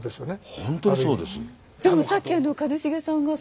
本当にそうですよ。